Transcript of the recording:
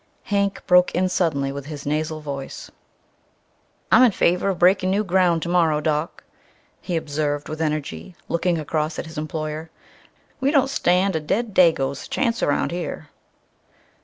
Hank broke in suddenly with his nasal voice. "I'm in favor of breaking new ground tomorrow, Doc," he observed with energy, looking across at his employer. "We don't stand a dead Dago's chance around here."